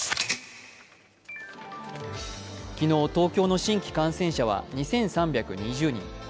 昨日、東京の新規感染者は２３２０人。